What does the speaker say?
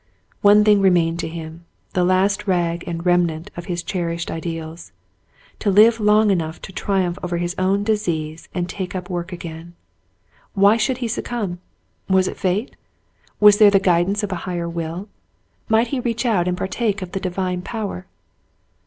One thing remained to him — the last rag and remnant of his cherished ideals — to live long enough to triumph over his own disease and take up work again. Why should he succumb ? Was it fate ? Was there the guid ance of a higher will ? Might he reach out and partake of the Divine power